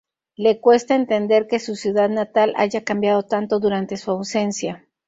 Le cuesta entender que su ciudad natal haya cambiado tanto durante su ausencia.